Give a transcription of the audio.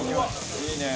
いいねえ。